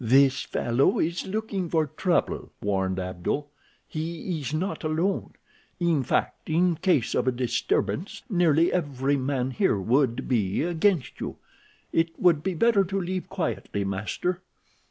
"This fellow is looking for trouble," warned Abdul. "He is not alone. In fact, in case of a disturbance, nearly every man here would be against you. It would be better to leave quietly, master."